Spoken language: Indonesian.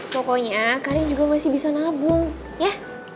pokoknya kalian juga masih bisa nabung ya